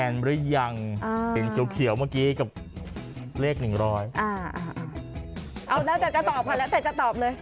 เอาน่าจะตอบมาแล้วใครจะตอบเลย